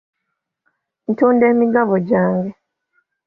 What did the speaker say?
Ntunda emigabo gyange.